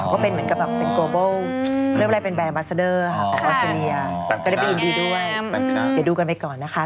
ก็ได้บีดีด้วยอยากดูไว้ก่อนนะคะ